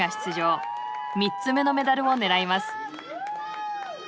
３つ目のメダルを狙います。